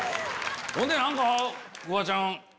ほんでフワちゃん。